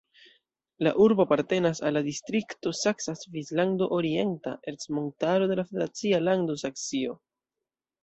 La urbo apartenas al la distrikto Saksa Svislando-Orienta Ercmontaro de la federacia lando Saksio.